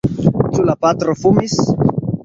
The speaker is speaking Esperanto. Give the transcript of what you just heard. Ĉu la patro fumis?